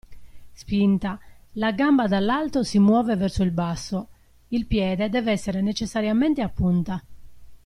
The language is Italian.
Spinta: La gamba dall'alto si muove verso il basso. Il piede deve essere necessariamente a punta.